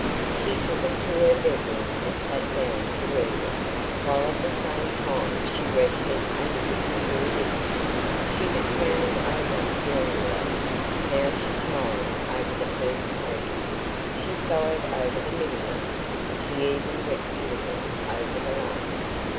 She took it to her bedroom and sat down to read it, while at the same time she rested a little before dinner. She had frowned over the envelope; now she smiled over the first pages; she sighed over the middle ones; she even wept a little over the last.